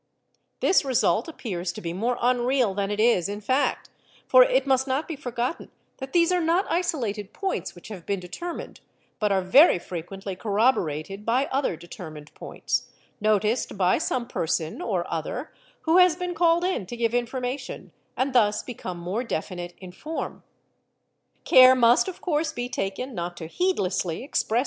This — result appears to be more unreal than it 1s in fact, for it must not be forgotten that these are not isolated points which have been determined but are very frequently corroborated by other determined points, noticed by some person or other who has been called in to give information, and | thus become more definite in form. ; Care must of course be taken not to heedlessly express.